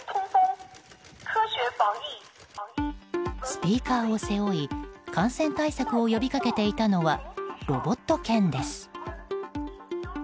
スピーカーを背負い感染対策を呼びかけていたのはロボット犬です。